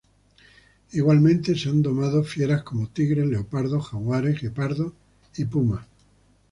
Igualmente, se han domado fieras como tigres, leopardos, jaguares, guepardos y pumas.